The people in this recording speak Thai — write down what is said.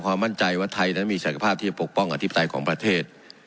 ความมั่นใจว่าไทยนั้นมีศักดิ์ภาพที่จะปกป้องอาธิบใสของประเทศ